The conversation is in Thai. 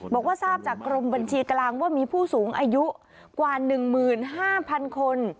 บอกว่าทราบจากกรมบัญชีกลางว่ามีผู้สูงอายุกว่า๑๕๐๐๐คน